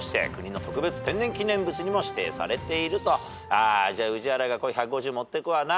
あじゃあ宇治原がこれ１５０持ってくわな。